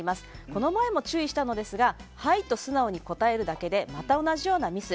この前も注意したのですが「はい」と素直に答えるだけでまた同じようなミス。